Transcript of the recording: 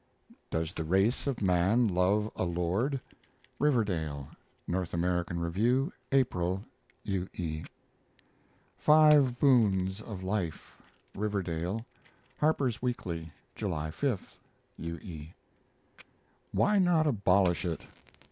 DOES THE RACE OF MAN LOVE A LORD? (Riverdale) N. A. Rev., April. U. E. FIVE BOONS of LIFE (Riverdale) Harper's Weekly, July 5. U. E. WHY NOT ABOLISH IT?